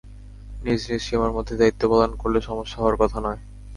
নিজ নিজ সীমার মধ্যে দায়িত্ব পালন করলে সমস্যা হওয়ার কথা নয়।